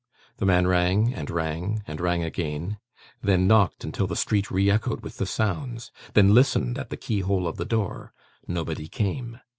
The man rang, and rang, and rang again; then, knocked until the street re echoed with the sounds; then, listened at the keyhole of the door. Nobody came.